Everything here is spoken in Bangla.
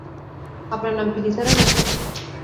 আপনার নাম কি নিসার আলি?